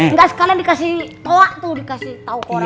nggak sekalian dikasih toa tuh dikasih tahu ke orang lain